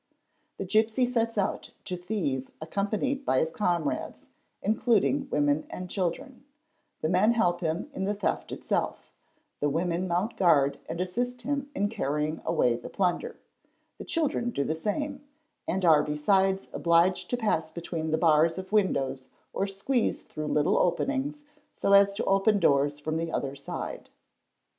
The gipsy sets out to thieve accompanied by his comrades, including women and children; the men help him in the theft itself; the women mount guard and assist him in carrying away the plunder ; the children do the same, and are besides obliged to pass between the bars of windows or squeeze through little openings so as to open doors from the other side.